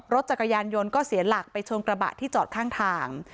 รถจักรยานยนต์ก็เสียหลักไปชนกระบะที่จอดข้างทาง